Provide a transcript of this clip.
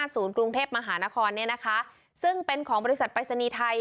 ศูนย์กรุงเทพมหานครเนี่ยนะคะซึ่งเป็นของบริษัทปรายศนีย์ไทย